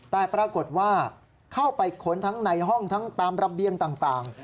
แต่ปรากฏว่าเข้าไปค้นทั้งในห้องทั้งตามระเบียงต่าง